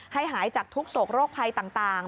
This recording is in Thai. ให้หายจากทุกข์โสกโรคภัยต่าง